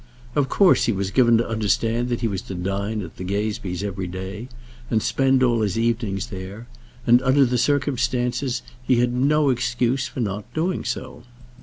Of course he was given to understand that he was to dine at the Gazebees' every day, and spend all his evenings there; and, under the circumstances, he had no excuse for not doing so.